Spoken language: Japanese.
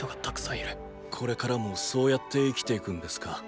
これからもそうやって生きていくんですか？